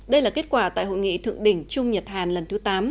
đây là kết quả tại hội nghị thượng đỉnh trung nhật hàn lần thứ tám